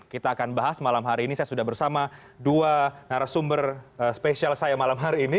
kita akan bahas malam hari ini saya sudah bersama dua narasumber spesial saya malam hari ini